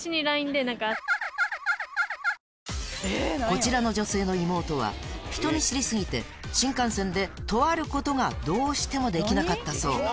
こちらの女性の妹は人見知り過ぎて新幹線でとあることがどうしてもできなかったそう